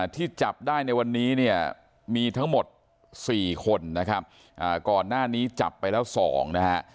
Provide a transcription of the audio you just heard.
ที่จับได้ในวันนี้เนี่ยมีทั้งหมด๔คนนะครับก่อนหน้านี้จับไปแล้ว๒นะฮะ